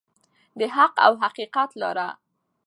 د حق او حقیقت لاره.